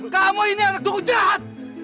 kamu ini anak dukung jahat